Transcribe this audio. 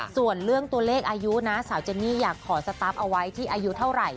ส่วนเรื่องตัวเลขอายุนะสาวเจนนี่อยากขอสตาร์ฟเอาไว้ที่อายุเท่าไหร่